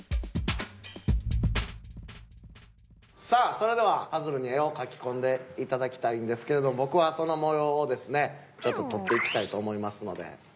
さあそれではパズルに絵を描き込んで頂きたいんですけど僕はその模様をですねちょっと撮っていきたいと思いますので。